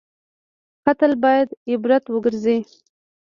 قاتل باید عبرت وګرځي